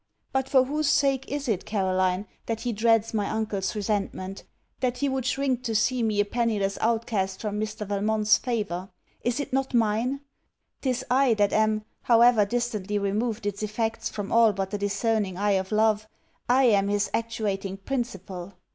But for whose sake is it, Caroline, that he dreads my uncle's resentment, that he would shrink to see me a pennyless outcast from Mr. Valmont's favour is it not mine? 'Tis I, that am, however distantly removed its effects from all but the discerning eye of love, I am his actuating principle!